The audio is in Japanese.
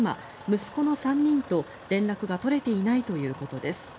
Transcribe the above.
息子の３人と連絡が取れていないということです。